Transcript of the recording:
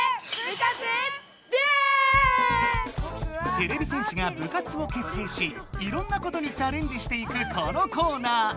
てれび戦士が部活を結成しいろんなことにチャレンジしていくこのコーナー。